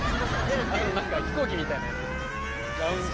飛行機みたいなやつ。